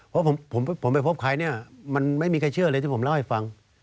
เพราะผมไม่พบใครมันไม่มีใครเชื่อเลยที่เดี๋ยวผมเล่าให้ฟัง